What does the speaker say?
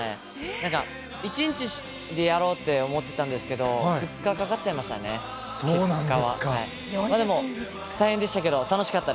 なんか１日でやろうって思ってたんですけど、２日かかっちゃいましたね、結果は。